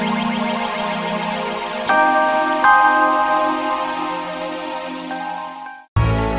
kalau memang tidak langsung